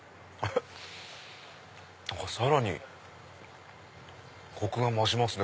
さらにコクが増しますね。